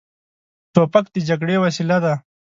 توپک د جګړې وسیله ده.